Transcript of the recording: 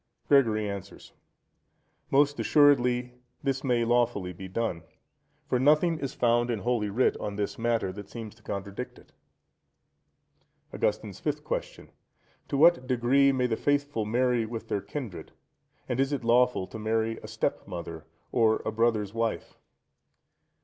Gregory answers.—Most assuredly this may lawfully be done; for nothing is found in Holy Writ on this matter that seems to contradict it. Augustine's Fifth Question.—To what degree may the faithful marry with their kindred? and is it lawful to marry a stepmother or a brother's wife?